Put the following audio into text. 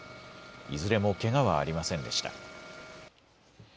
いずれもけがはありませんでした。